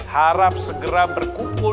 harap segera berkumpul